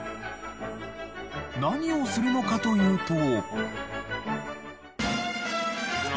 何をするのかというと。